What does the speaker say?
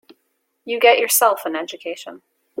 You get yourself an education.